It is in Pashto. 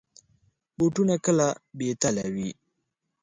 بوټونه کله بې تله وي.